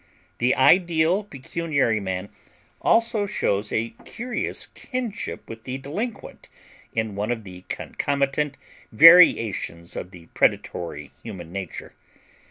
The ideal pecuniary man also shows a curious kinship with the delinquent in one of the concomitant variations of the predatory human nature.